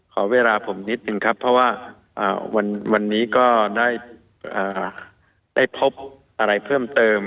เพราะว่าวันนี้ก็ได้พบอะไรเพิ่มเติม